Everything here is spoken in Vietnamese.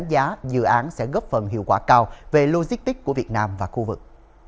hội nghị lấy ý kiến về đề án nghiên cứu xây dự án sẽ góp phần hiệu quả cao về logistic của việt nam và khu vực